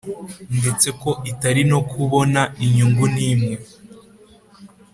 Ndetse ko itari no kubona inyungu n imwe